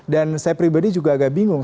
dan saya pribadi juga agak bingung